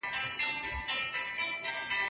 مطالعه ستړیا له منځه وړي.